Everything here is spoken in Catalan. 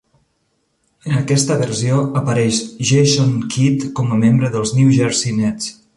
En aquesta versió apareix Jason Kidd com a membre dels New Jersey Nets.